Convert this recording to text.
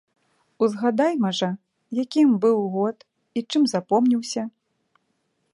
Узгадайма жа, якім быў год і чым запомніўся.